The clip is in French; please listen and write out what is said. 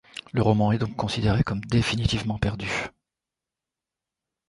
Le roman est donc considéré comme définitivement perdu.